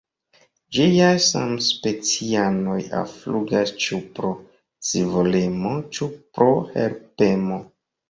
Ĝiaj samspecianoj alflugas ĉu pro scivolemo, ĉu pro helpemo.